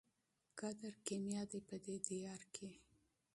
قدر کېمیا دی په دې دیار کي